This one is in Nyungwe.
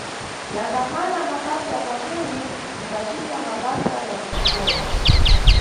Yangamala mabasa ya pamuyi, nimbacita mabasa ya kuxikola